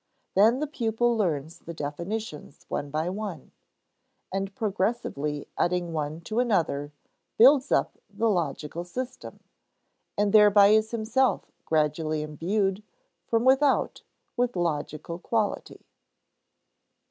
Then the pupil learns the definitions one by one; and progressively adding one to another builds up the logical system, and thereby is himself gradually imbued, from without, with logical quality.